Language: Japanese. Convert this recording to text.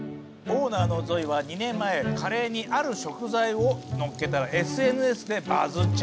オーナーのゾイは２年前カレーにある食材を乗っけたらＳＮＳでバズっちゃったんだ。